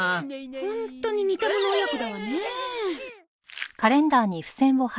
ホントに似たもの親子だわね。